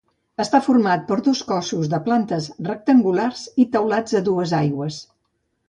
Està format per dos cossos de plantes rectangulars i teulats a dues aigües.